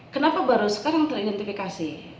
kenapa baru sekarang teridentifikasi